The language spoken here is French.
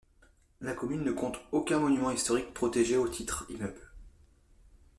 La commune ne compte aucun monument historique protégé au titre immeuble.